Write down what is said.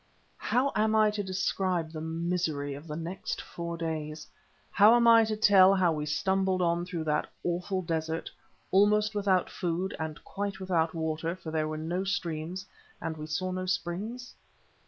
How am I to describe the misery of the next four days? How am I to tell how we stumbled on through that awful desert, almost without food, and quite without water, for there were no streams, and we saw no springs?